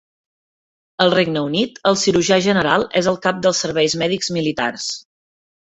Al Regne Unit, el cirurgià general és el cap dels serveis mèdics militars.